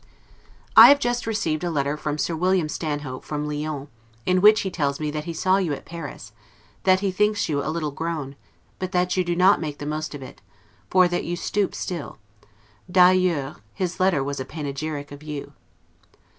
I have just received a letter from Sir William Stanhope, from Lyons; in which he tells me that he saw you at Paris, that he thinks you a little grown, but that you do not make the most of it, for that you stoop still: 'd'ailleurs' his letter was a panegyric of you.